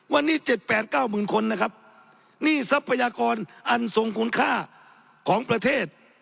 วันนี้๗๘๙หมื่นคนนะครับหนี้ทรัพยากรอันทรงคุณค่าของประเทศ